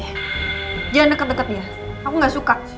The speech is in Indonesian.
jangan deket deket dia aku gak suka